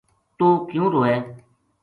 توہ کیوں روئے